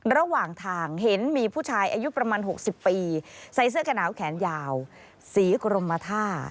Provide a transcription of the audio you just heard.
ระหว่างทางเห็นมีผู้ชายอายุประมาณ๖๐ปีใส่เสื้อกระหนาวแขนยาวสีกรมท่า